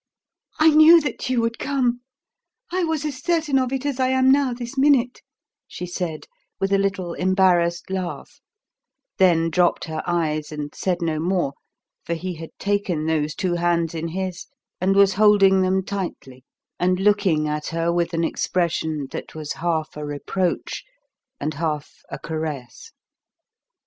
"I knew that you would come I was as certain of it as I am now this minute," she said with a little embarrassed laugh, then dropped her eyes and said no more, for he had taken those two hands in his and was holding them tightly and looking at her with an expression that was half a reproach and half a caress.